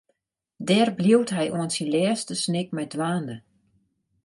Dêr bliuwt hy oant syn lêste snik mei dwaande.